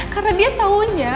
karena dia taunya